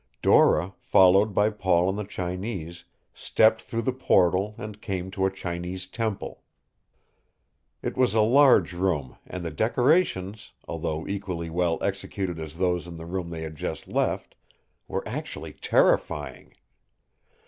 Dora, followed by Paul and the Chinese, stepped through the portal and came to a Chinese temple. It was a large room and the decorations, although equally well executed as those in the room they had just left, were actually terrifying.